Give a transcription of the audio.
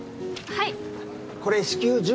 はい。